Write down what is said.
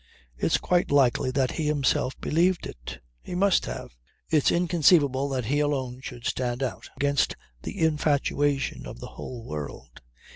It's quite likely that he himself believed it. He must have. It's inconceivable that he alone should stand out against the infatuation of the whole world.